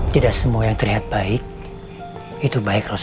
tidak semua yang terlihat baik itu baik rosia